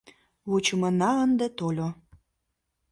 Вучымына ынде тольо